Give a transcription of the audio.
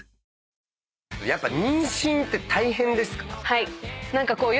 はい。